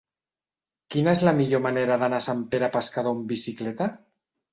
Quina és la millor manera d'anar a Sant Pere Pescador amb bicicleta?